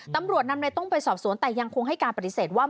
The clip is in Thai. ตำรวจนำในต้องไปสอบสวนแต่ยังคงให้การปฏิเสธว่า